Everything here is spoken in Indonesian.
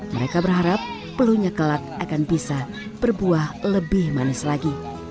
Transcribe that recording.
mereka berharap pelunya kelak akan bisa berbuah lebih manis lagi